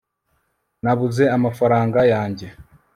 nabuze amafaranga yanjye